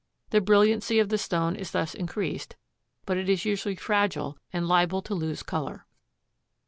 The brilliancy of the stone is thus increased, but it is usually fragile and liable to lose color.